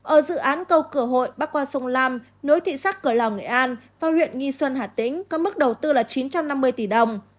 ở dự án cầu cửa hội bắc qua sông lam nối thị sát cửa lò nghệ an và huyện nghi xuân hà tĩnh có mức đầu tư là chín trăm năm mươi tỷ đồng